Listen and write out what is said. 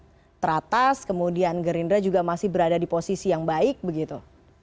pak prabowo berada di yang paling teratas kemudian gerindra juga masih berada di posisi yang baik begitu